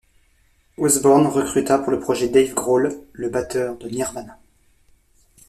Osborne recruta pour le projet Dave Grohl, le batteur de Nirvana.